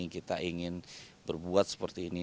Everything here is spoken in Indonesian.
kita ingin berbuat seperti ini